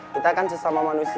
kita kan sesama manusia